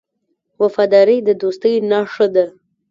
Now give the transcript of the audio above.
وفاداري د دوستۍ نښه ده.